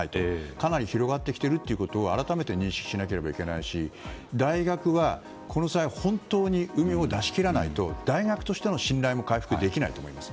かなり広がっていることを改めて認識しなければいけないし大学は、この際本当に膿を出し切らないと大学としての信頼も回復できないと思います。